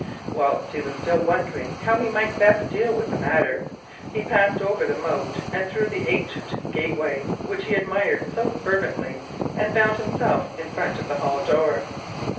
Whilst he was still wondering how he might best deal with the matter, he passed over the moat and through the ancient gateway which he admired so fervently, and found himself in front of the hall door.